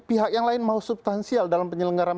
pihak yang lain mau subtansial dalam penyelenggaraan